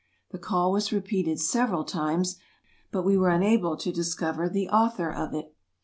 The call was repeated several times, but we were unable to discover the author of it.